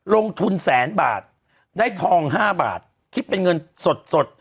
ลงทุนแสนบาทได้ทอง๕บาทคิดเป็นเงินสด